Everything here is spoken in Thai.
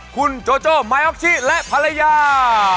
คุณโจโจไมออกชิและภรรยา